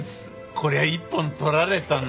こりゃ一本取られたな。